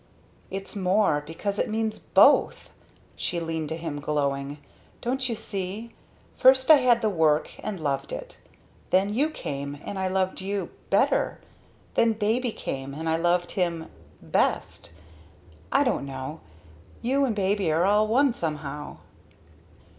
"It's more because it means both!" She leaned to him, glowing, "Don't you see? First I had the work and loved it. Then you came and I loved you better! Then Baby came and I loved him best? I don't know you and baby are all one somehow."